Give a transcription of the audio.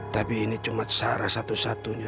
tapi ini cuma sarah satu satunya